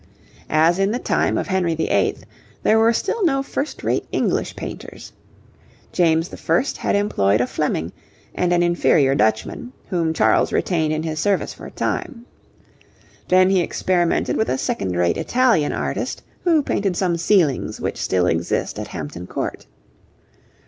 As in the time of Henry VIII., there were still no first rate English painters. James I. had employed a Fleming, and an inferior Dutchman, whom Charles retained in his service for a time. Then he experimented with a second rate Italian artist, who painted some ceilings which still exist at Hampton Court.